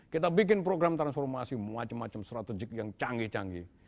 kita bikin program transformasi macam macam strategik yang canggih canggih